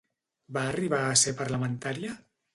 Va arribar a ser parlamentària?